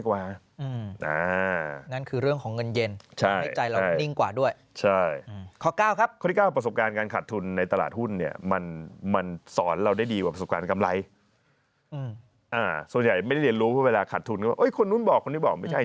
เขาต้องรีบทำซื้อขาย